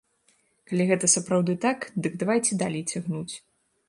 Калі гэта сапраўды так, дык давайце далей цягнуць.